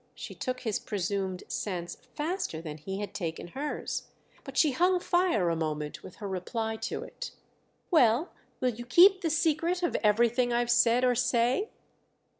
—she took his presumed sense faster than he had taken hers. But she hung fire a moment with her reply to it. "Well, will you keep the secret of everything I've said or say?"